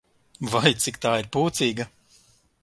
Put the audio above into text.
Vai, cik tā ir pūcīga!